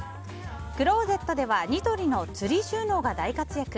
クローゼットではニトリのつり収納が大活躍。